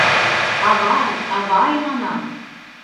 — Авай, авай, манам!